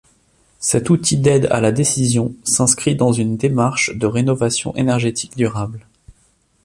Cet outil d'aide à la décision s'inscrit dans une démarche de rénovation énergétique durable.